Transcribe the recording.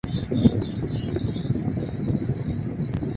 该学院提供双领域给学生。